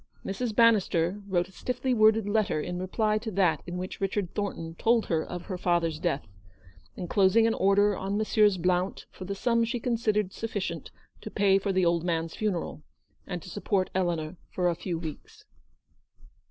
Mrs. Bannister wrote a stiffly worded letter in LOOKING TO THE FUTURE. 177 reply to that in which Richard Thornton told her of her father's death, enclosing an order on Messrs. Blount for the sum she considered suffi cient to pay for the old man's funeral, and to support Eleanor for a few weeks.